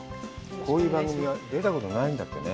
こういう番組は出たことないんだってね。